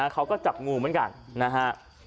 เขาก็จับงูเหมือนกันนะฮะ